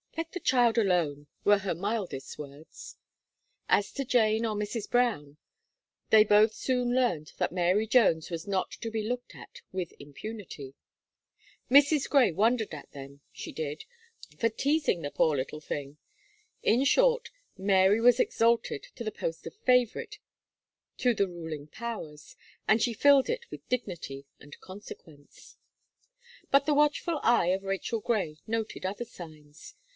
"Let the child alone," were her mildest words. As to Jane or Mrs. Brown, they both soon learned that Mary Jones was not to be looked at with impunity. Mrs. Gray wondered at them, she did, for teazing the poor little thing. In short, Mary was exalted to the post of favourite to the ruling powers, and she filled it with dignity and consequence. But the watchful eye of Rachel Gray noted other signs.